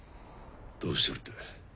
どうしてるって？